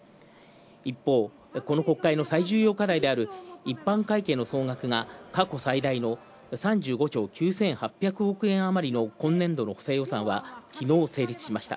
一方、この国会の最重要課題である一般会計の総額が過去最大の３５兆９８００億円あまりの今年度の補正予算はきのう成立しました。